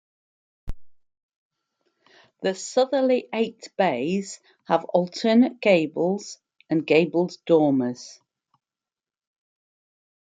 The southerly eight bays have alternate gables and gabled dormers.